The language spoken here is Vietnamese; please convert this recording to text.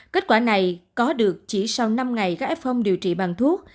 kết quả này có được chỉ sau năm ngày các f phong điều trị bằng thuốc